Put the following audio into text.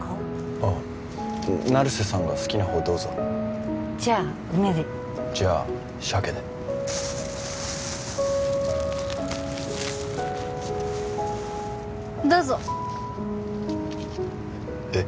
あっ成瀬さんが好きなほうどうぞじゃあ梅でじゃあ鮭でどうぞえっ？